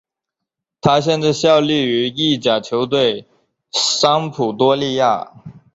他现在效力于意甲球队桑普多利亚。